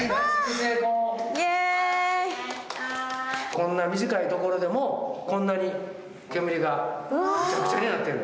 こんな短いところでもこんなに煙がぐちゃぐちゃになってる。